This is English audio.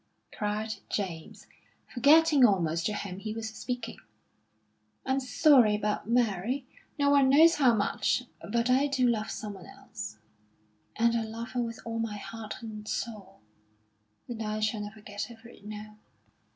cried James, forgetting almost to whom he was speaking. "I'm sorry about Mary; no one knows how much. But I do love someone else, and I love her with all my heart and soul; and I shall never get over it now."